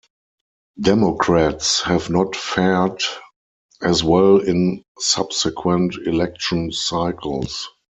Democrats have not fared as well in subsequent election cycles.